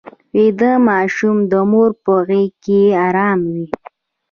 ویده ماشوم د مور په غېږ کې ارام وي